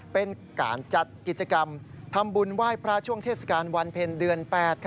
เป็นการจัดกิจกรรมทำบุญไหว้พระช่วงเทศกาลวันเพ็ญเดือน๘